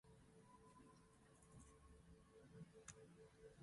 この日記には、相当鴨川の美を叙述したものがあります